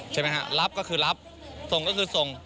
ใช่ไหมฮะรับก็คือรับส่งก็คือส่ง